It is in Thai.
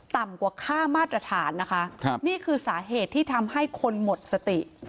ต่ำกว่าค่ามาตรฐานนะคะครับนี่คือสาเหตุที่ทำให้คนหมดสติ